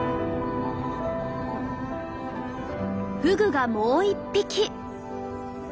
フグがもう一匹。